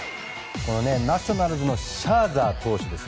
ナショナルズのシャーザー投手です。